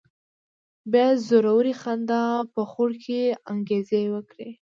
بيا زورورې خندا په خوړ کې انګازې وکړې.